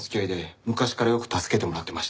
昔からよく助けてもらってました。